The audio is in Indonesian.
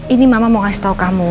ini mama mau kasih tau kamu